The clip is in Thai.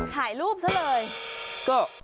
ถ่ายรูปซะเลย